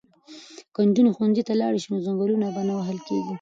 که نجونې ښوونځي ته لاړې شي نو ځنګلونه به نه وهل کیږي.